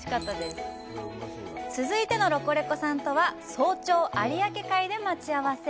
続いてのロコレコさんとは、早朝、有明海で待ち合わせ。